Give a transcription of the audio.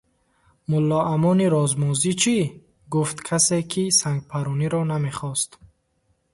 – Мулло Амони розмозӣ чӣ? – гуфт касе, ки сангпаррониро намехост.